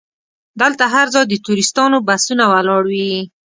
دلته هر ځای د ټوریستانو بسونه ولاړ وي.